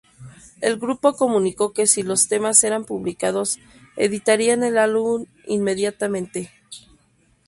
El grupo comunicó que si los temas eran publicados, editarían el álbum inmediatamente.